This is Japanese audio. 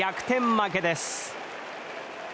負けです。